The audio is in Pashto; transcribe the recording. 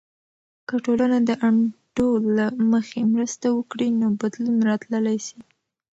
که ټولنه د انډول له مخې مرسته وکړي، نو بدلون راتللی سي.